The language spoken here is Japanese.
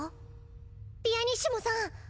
ピアニッシモさん！